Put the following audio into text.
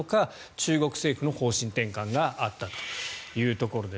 中国政府の方針転換があったというところです。